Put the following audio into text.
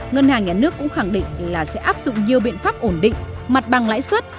ngân hàng nhà nước cũng khẳng định là sẽ áp dụng nhiều biện pháp ổn định mặt bằng lãi suất